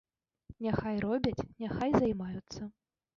Няхай робяць, няхай займаюцца.